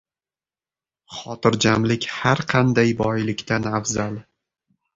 Xotirjamlik har qanday boylikdan afzal.